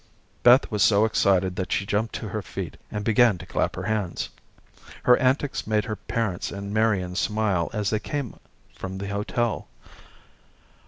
Beth was so excited that she jumped to her feet, and began to clap her hands. Her antics made her parents and Marian smile as they came from the hotel.